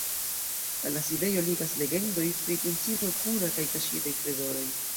Al la sidejo ligas legendoj pri princino Kuna kaj kaŝitaj trezoroj.